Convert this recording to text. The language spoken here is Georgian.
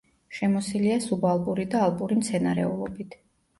შემოსილია სუბალპური და ალპური მცენარეულობით.